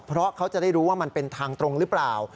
เพราะเขาจะได้รู้ว่ามันเป็นทางตรงหรือเปล่า